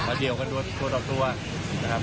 เมื่อเดียวกันทั่วทั่วทั่วทั่ว